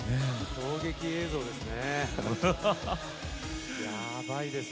衝撃映像ですね。